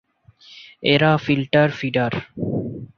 এরা filter feeder.